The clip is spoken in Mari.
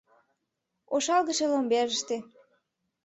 Ошалгыше ломберыште